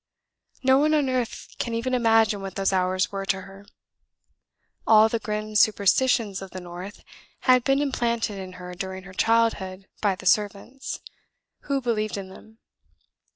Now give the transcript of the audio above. No one on earth can even imagine what those hours were to her. All the grim superstitions of the North had been implanted in her during her childhood by the servants, who believed in them.